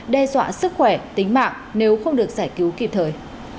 đe dọa sức khỏe tính mạng nếu không được giải cứu kịp thời